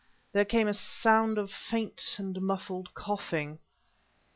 There came a sound of faint and muffled coughing.